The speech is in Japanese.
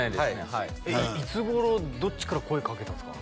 はいいつ頃どっちから声掛けたんすか？